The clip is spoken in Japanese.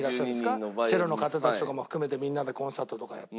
チェロの方たちとかも含めてみんなでコンサートとかやって。